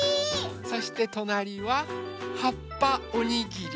そしてとなりははっぱおにぎり。